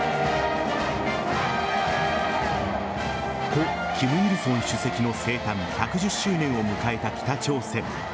故・金日成主席の生誕１１０周年を迎えた北朝鮮。